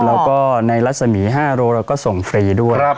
แล้วก็ในลักษณีย์๕โลกรับก็ส่งฟรีด้วย